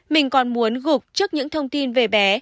mình còn muốn gục trước những thông tin về bé